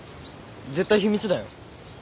絶対秘密だよ。